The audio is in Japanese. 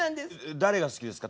誰が好きですか？